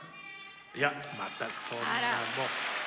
またそんなもう。